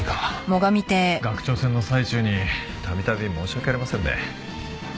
学長選の最中に度々申し訳ありませんね。